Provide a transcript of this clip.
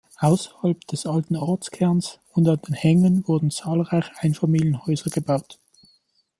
Außerhalb des alten Ortskerns und an den Hängen wurden zahlreiche Einfamilienhäuser gebaut.